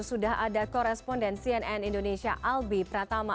sudah ada koresponden cnn indonesia albi pratama